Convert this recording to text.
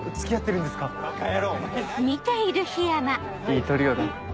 いいトリオだ。